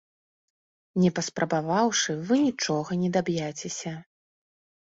Не паспрабаваўшы, вы нічога не даб'яцеся!